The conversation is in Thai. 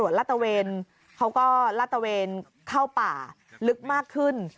ลาตะเวนเขาก็ลาดตะเวนเข้าป่าลึกมากขึ้น